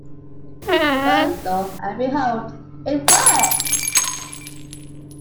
But, lo and behold, it worked!